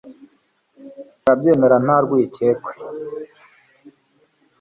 barabyemera nta rwikekwe